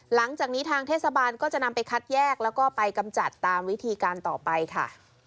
หลังจากนี้ทางเทศบาลก็จะนำไปคัดแยกแล้วก็ไปกำจัดตามวิธีการต่อไปค่ะ